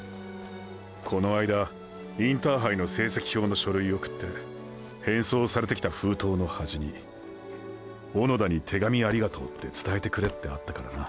この間インターハイの成績表の書類送って返送されてきた封筒のはじに“小野田に手紙ありがとう”って伝えてくれってあったからな。